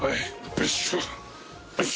よし。